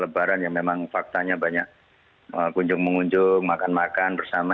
lebaran yang memang faktanya banyak mengunjung mengunjung makan makan bersama